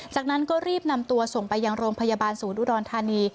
จากนั้นก็รีบนำตัวส่งไปยังโรงพยาบาลศูนย์อุดรธานี